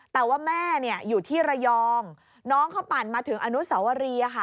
แต่ว่าแม่อยู่ที่ระยองน้องเขาปั่นมาถึงอนุสวรีค่ะ